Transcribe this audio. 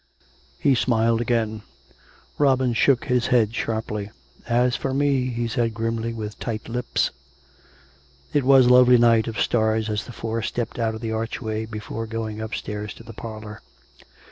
He smiled again. Robin shook his head sharply. " As for me !" he said grimly, with tight lips. It was a lovely night of stars as the four stepped out of the archway before going upstairs to the parlour.